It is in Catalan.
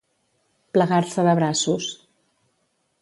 Plegar-se de braços.